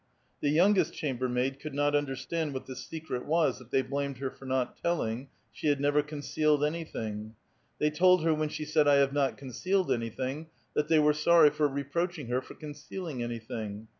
The youngest chambermaid could not understand what the secret was that thev blamed her for not tellinij : she had never concealed anything. They told her when she said, '' I have not concealed anything," that they were sorry for reproaching her for concealing anything.